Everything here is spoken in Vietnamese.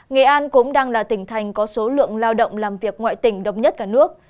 nghệ an cũng đang là tỉnh thành có số lượng lao động làm việc ngoại tỉnh đông nhất cả nước